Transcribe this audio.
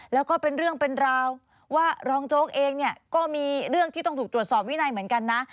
แล้วก็เป็นเรื่องเป็นราวว่ารองโจ๊กเองเนี่ยก็มีเรื่องที่ต้องถูกตรวจสอบวินัยเหมือนกันนะ